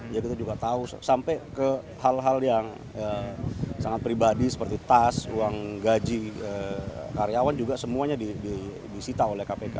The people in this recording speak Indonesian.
ya kita juga tahu sampai ke hal hal yang sangat pribadi seperti tas uang gaji karyawan juga semuanya disita oleh kpk